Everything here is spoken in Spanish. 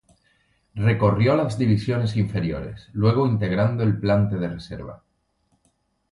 Recorrió las divisiones inferiores, luego integrando el plante de reserva.